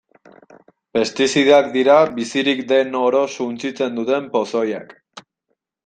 Pestizidak dira bizirik den oro suntsitzen duten pozoiak.